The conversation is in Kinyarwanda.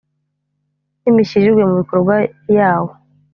n’imishyirirwe mu bikorwa yawo